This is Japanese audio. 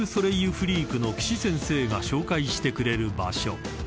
フリークの岸先生が紹介してくれる場所］